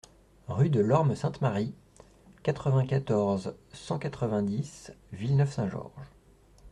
Rue de l'Orme Sainte-Marie, quatre-vingt-quatorze, cent quatre-vingt-dix Villeneuve-Saint-Georges